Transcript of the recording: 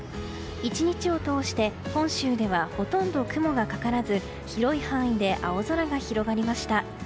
１日を通して本州ではほとんど雲がかからず広い範囲で青空が広がりました。